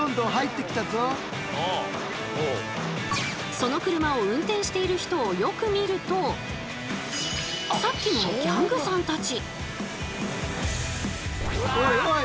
その車を運転している人をよく見るとさっきのギャングさんたち。